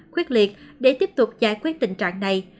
quyết liệt để tiếp tục giải quyết tình trạng này